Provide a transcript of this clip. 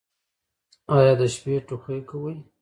ایا د شپې ټوخی کوئ؟